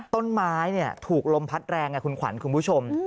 ต้นไม้ถูกลมพัดแรงคุณขวัญคุณผู้ชม